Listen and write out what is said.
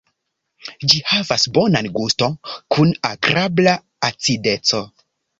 Ĝi havas bonan gusto kun agrabla acideco.